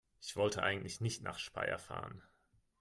Ich wollte eigentlich nicht nach Speyer fahren